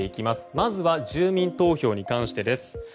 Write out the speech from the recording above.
まずは住民投票に関してです。